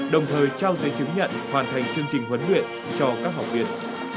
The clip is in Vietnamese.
đồng thời trao giấy chứng nhận hoàn thành chương trình huấn luyện cho các học viên